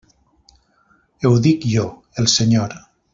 Ho dic jo, el Senyor.